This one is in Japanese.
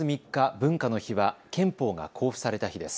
文化の日は憲法が公布された日です。